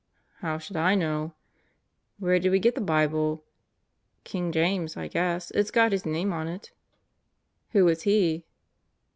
"How should I know?" "Where did we get the Bible?" "King James, I guess. It's got his name on it." "Who was he?"